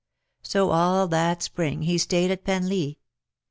So all that spring he stayed at Penlee.